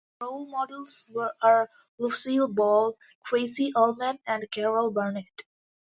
Her role models are Lucille Ball, Tracey Ullman and Carol Burnett.